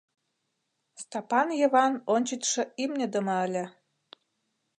Стапан Йыван ончычшо имньыдыме ыле.